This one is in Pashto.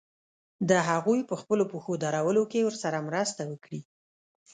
د هغوی په خپلو پښو درولو کې ورسره مرسته وکړي.